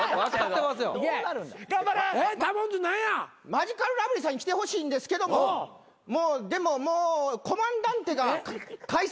マヂカルラブリーさんに来てほしいんですけどももうでもコマンダンテが解散しちゃった以上。